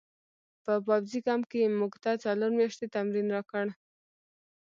په پوځي کمپ کې یې موږ ته څلور میاشتې تمرین راکړ